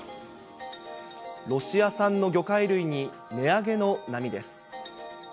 ロシア産の魚介類に、値上げの波です。